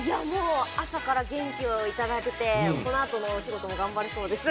朝から元気をいただけてこのあとのお仕事も頑張れそうです。